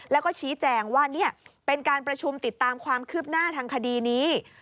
แล้วก็ชี้แจงว่านี่เป็นการประชุมติดตามความคืบหน้าทางคดีนี้